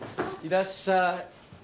いらっしゃい。